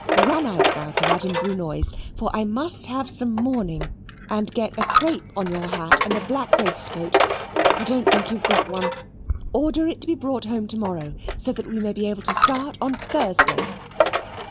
"Run out now to Madam Brunoy's, for I must have some mourning: and get a crape on your hat, and a black waistcoat I don't think you've got one; order it to be brought home to morrow, so that we may be able to start on Thursday."